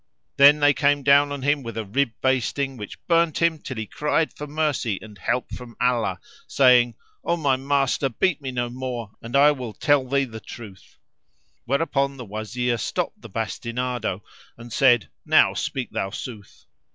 Then they came down on him with a rib basting which burned him till he cried for mercy and help from Allah, saying, "O my master, beat me no more and I will tell thee the truth;" whereupon the Wazir stopped the bastinado and said, "Now speak thou sooth."